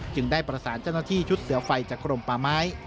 คือได้ประสานเจ้าหน้าที่ชุดเดี่ยวไฟจากกลมปลาไม้